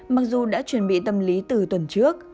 mặc dù đã chuẩn bị tâm lý từ tuần trước